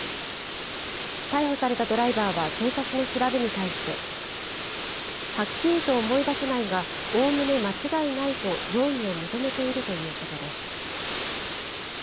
逮捕されたドライバーは警察の調べに対してはっきりと思い出せないがおおむね間違いないと、容疑を認めているということです。